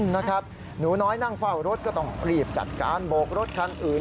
หนูน้อยนั่งเฝ้ารถก็ต้องรีบจัดการโบกรถคันอื่น